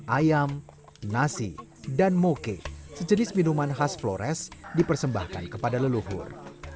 ayam nasi dan moke sejenis minuman khas flores dipersembahkan kepada leluhur